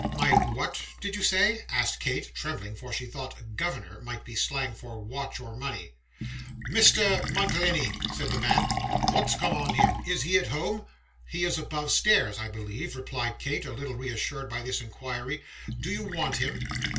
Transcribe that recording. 'My what did you say?' asked Kate, trembling; for she thought 'governor' might be slang for watch or money. 'Mister Muntlehiney,' said the man. 'Wot's come on him? Is he at home?' 'He is above stairs, I believe,' replied Kate, a little reassured by this inquiry. 'Do you want him?